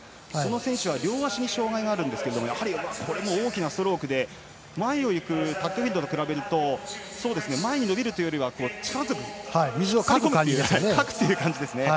この選手は両足に障がいがあるんですがやはりこれも大きなストロークでタックフィールドと比べると前に伸びるというよりは力強く水をかくという感じですね。